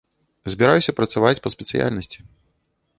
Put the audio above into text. Збіраюся працаваць па спецыяльнасці.